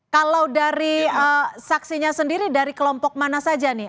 kalau dari saksinya sendiri dari kelompok mana saja nih